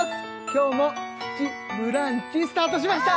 今日も「プチブランチ」スタートしました！